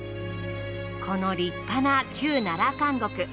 この立派な旧奈良監獄。